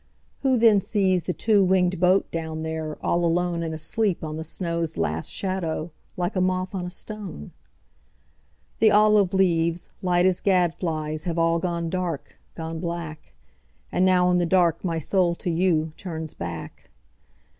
Who then sees the two wingedBoat down there, all aloneAnd asleep on the snow's last shadow, Like a moth on a stone? The olive leaves, light as gad flies, Have all gone dark, gone black. And now in the dark my soul to youTurns back.